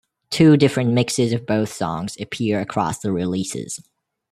Two different mixes of both songs appear across the releases.